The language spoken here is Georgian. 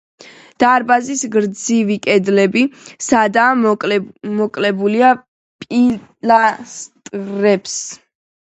დარბაზის გრძივი კედლები სადაა, მოკლებულია პილასტრებს.